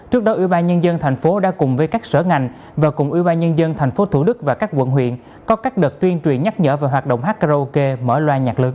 trước đó ủy ban nhân dân thành phố đã cùng với các sở ngành và cùng ủy ban nhân dân tp thủ đức và các quận huyện có các đợt tuyên truyền nhắc nhở về hoạt động hát karaoke mở loa nhạc lớn